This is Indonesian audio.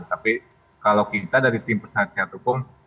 tapi kalau kita dari tim penasihat hukum